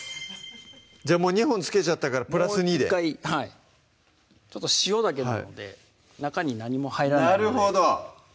じゃあもう２本つけちゃったからプラス２でちょっと塩だけなので中に何も入らないのでなるほど！